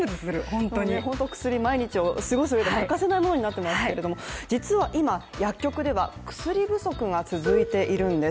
本当に薬、毎日を過ごすうえで欠かせないものになっていますけれども、実は今薬局では薬不足が続いているんです。